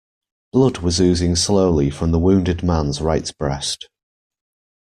Blood was oozing slowly from the wounded man's right breast.